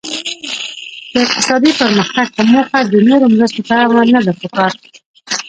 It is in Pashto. د اقتصادي پرمختګ په موخه د نورو مرستو تمه نده پکار.